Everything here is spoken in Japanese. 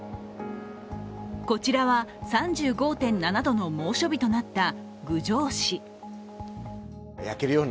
こちらは３５．７度の猛暑日となった郡上市。